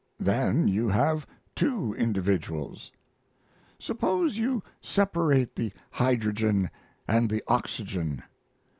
"Then you have two individuals." "Suppose you separate the hydrogen and the oxygen?"